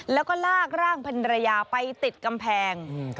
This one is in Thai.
แล้วก็ลากร่างพันรยาไปติดกำแพง